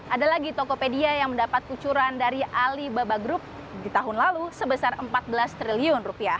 ada lagi tokopedia yang mendapat kucuran dari alibaba group di tahun lalu sebesar rp empat belas triliun